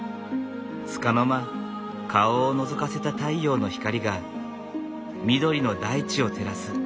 つかの間顔をのぞかせた太陽の光が緑の大地を照らす。